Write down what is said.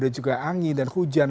ada juga angin dan hujan